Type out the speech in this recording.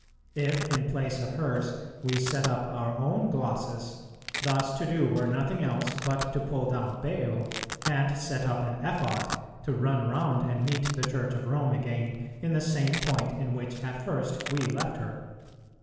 If, in place of hers, we set up our own glosses, thus to do were nothing else but to pull down Baal, and set up an Ephod, to run round and meet the Church of Rome again in the same point in which at first we left her.